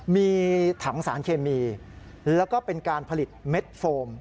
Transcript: มีถังสารเคมีแล้วก็เป็นการผลิตเม็ดโฟม